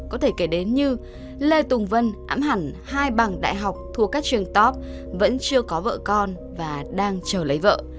có thể kể đến như lê tùng vân ám hẳn hai bằng đại học thuộc các trường top vẫn chưa có vợ con và đang chờ lấy vợ